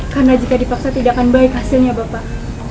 karena jika dipaksa tidak akan baik hasilnya bapak